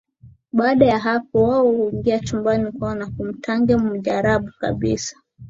Baada ya hapo wao huingia chumbani kwao kwa mtanange mujarab kabisa